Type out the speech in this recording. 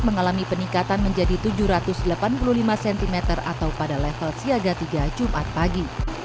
mengalami peningkatan menjadi tujuh ratus delapan puluh lima cm atau pada level siaga tiga jumat pagi